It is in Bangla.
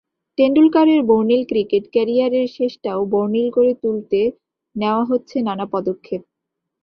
টেন্ডুলকারের বর্ণিল ক্রিকেট ক্যারিয়ারের শেষটাও বর্ণিল করে তুলতে নেওয়া হচ্ছে নানা পদক্ষেপ।